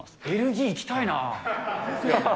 ベルギー行きたいな。